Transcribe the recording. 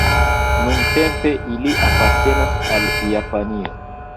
Nuntempe ili apartenas al Japanio.